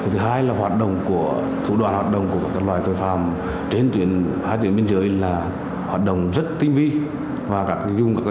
thứ hai là thủ đoàn hoạt động của các loại tội phạm trên hai tuyển biên giới là hoạt động rất tinh vi